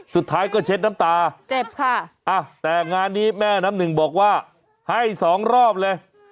สุดท้ายก็เช็ดน้ำตาเจ็บค่ะแต่งานนี้แม่น้ำหนึ่งบอกว่าให้สองรอบเลย